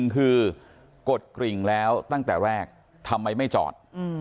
คือกดกริ่งแล้วตั้งแต่แรกทำไมไม่จอด